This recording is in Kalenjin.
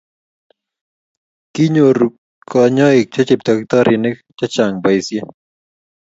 kinyoru kanyoik che chepkerichonik che chang' boisie